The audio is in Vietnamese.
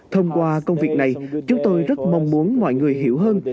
thông qua công việc này chúng tôi rất mong muốn mọi người hiểu hơn